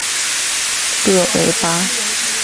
勒维巴。